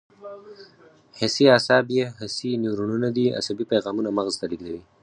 حسي اعصاب چې حسي نیورونونه دي عصبي پیغامونه مغز ته لېږدوي.